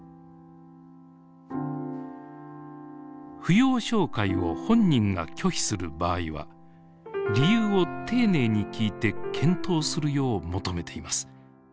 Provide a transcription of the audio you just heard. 扶養照会を本人が拒否する場合は理由を丁寧に聞いて検討するよう求めています。